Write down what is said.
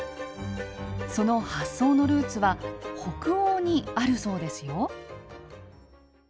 その発想のルーツは北欧にあるそうですよ。